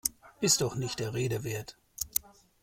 Ist doch nicht der Rede wert!